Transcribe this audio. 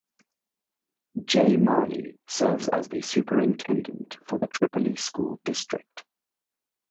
Jay Marley serves as the superintendent for the Tripoli school district.